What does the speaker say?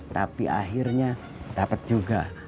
tapi akhirnya dapet juga